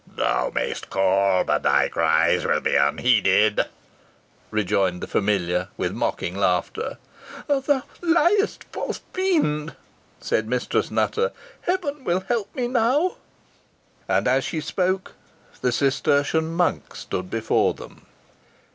"Thou mayst call, but thy cries will be unheeded," rejoined the familiar with mocking laughter. "Thou liest, false fiend!" said Mistress Nutter. "Heaven will help me now." And, as she spoke, the Cistertian monk stood before them.